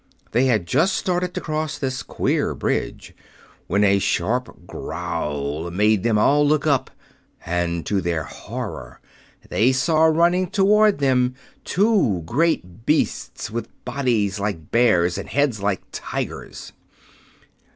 They had just started to cross this queer bridge when a sharp growl made them all look up, and to their horror they saw running toward them two great beasts with bodies like bears and heads like tigers.